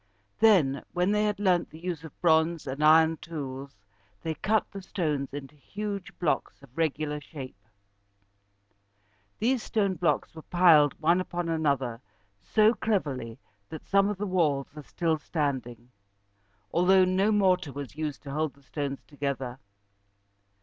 Then, when they had learned the use of bronze and iron tools, they cut the stones into huge blocks of regular shape. These stone blocks were piled one upon another so cleverly that some of the walls are still standing, although no mortar was used to hold the stones together.